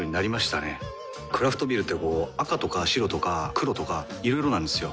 クラフトビールってこう赤とか白とか黒とかいろいろなんですよ。